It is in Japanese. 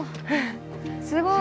すごい。